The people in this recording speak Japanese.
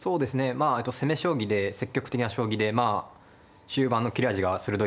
まあえっと攻め将棋で積極的な将棋でまあ終盤の切れ味が鋭い印象があります。